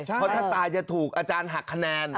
เพราะถ้าตายจะถูกอาจารย์หักคะแนน